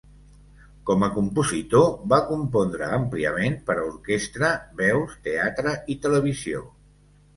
Com a compositor, va compondre àmpliament per a orquestra, veus, teatre i televisió.